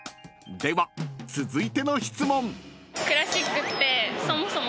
では続いての質問］